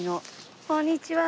こんにちは。